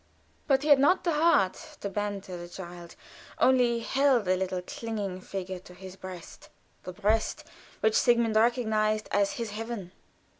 But he had not the heart to banter the child; only held the little clinging figure to his breast; the breast which Sigmund recognized as his heaven.